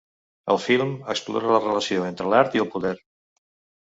El film explora la relació entre l’art i el poder.